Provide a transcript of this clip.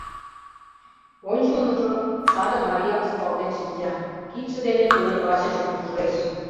Ончылныжо саде марияк сукалтен шинча, кидше дене тудын вачыжым туржеш.